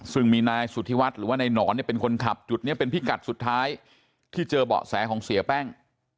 ซึ่งมีนายสุธิวัฒน์หรือว่านายหนอนเนี่ยเป็นคนขับจุดนี้เป็นพิกัดสุดท้ายที่เจอเบาะแสของเสียแป้ง